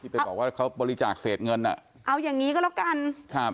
ไปบอกว่าเขาบริจาคเศษเงินอ่ะเอาอย่างงี้ก็แล้วกันครับ